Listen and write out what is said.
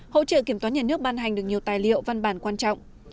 hỗ trợ kiểm toán nhà nước ban hành được nhiều tài liệu văn bản quan trọng